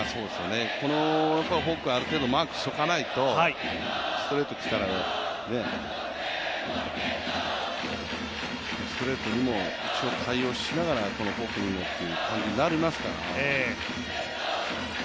このフォークはある程度マークしておかないとストレートにも対応しながら、このフォークにもという感じになりますから。